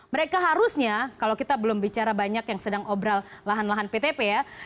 mereka harusnya kalau kita belum bicara banyak yang sedang obrol lahan lahan ptp ya